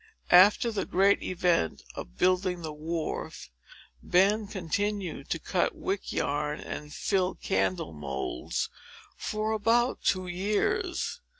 After the great event of building the wharf, Ben continued to cut wick yarn and fill candle moulds for about two years.